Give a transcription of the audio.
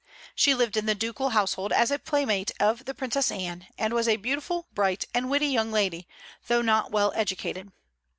She lived in the ducal household as a playmate of the Princess Anne, and was a beautiful, bright, and witty young lady, though not well educated.